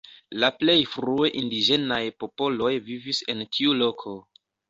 La plej frue indiĝenaj popoloj vivis en tiu loko.